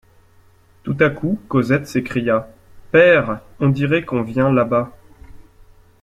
Tout à coup, Cosette s’écria: Père, on dirait qu’on vient là-bas.